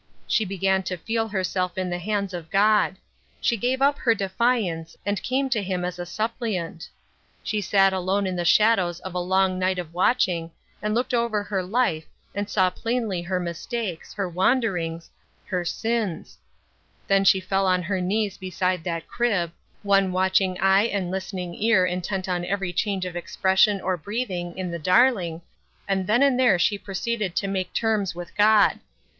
She began to feel herself in the hands of God. She gave ap her defiance, and came to him as a suppliant. She sat alone in the shadows of a long night oi watching, and looked over her life, and saw plainly her mistakes, her wanderings, her sins " The Oil of Joy:' 425 Then she fell on her knees beside that crib, one watching eye and listening ear intent on every change of expression or breathing in the dar ling, and then and there she proceeded to make terms with God.